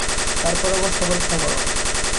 তারপর অবস্থা পরীক্ষা কর।